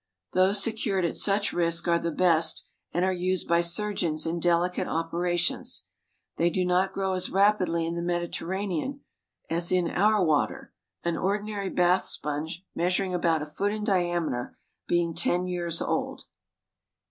Those secured at such risk are the best and are used by surgeons in delicate operations. They do not grow as rapidly in the Mediterranean as in our water, an ordinary bath sponge, measuring about a foot in diameter, being ten years old.